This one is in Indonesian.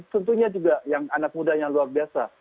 tentunya juga yang anak muda yang luar biasa